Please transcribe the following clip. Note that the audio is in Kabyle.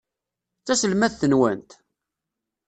D taselmadt-nwent?